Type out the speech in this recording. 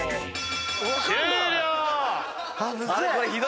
終了！